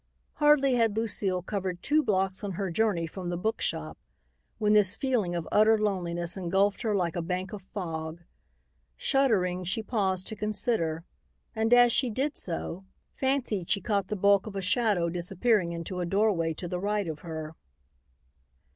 Hardly had Lucile covered two blocks on her journey from the book shop when this feeling of utter loneliness engulfed her like a bank of fog. Shuddering, she paused to consider, and, as she did so, fancied she caught the bulk of a shadow disappearing into a doorway to the right of her.